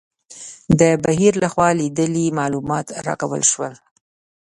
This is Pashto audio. د بهیر لخوا لیدلي معلومات راکول شول.